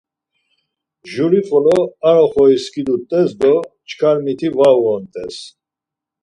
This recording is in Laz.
Jurixolo ar oxoris skidut̆es do çkar miti var uonut̆es.